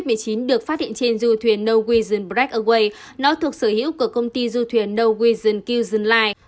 covid một mươi chín được phát hiện trên du thuyền norwegian breakaway nó thuộc sở hữu của công ty du thuyền norwegian kielsen line